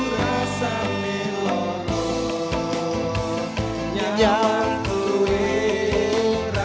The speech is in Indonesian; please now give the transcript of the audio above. rambi ruang dia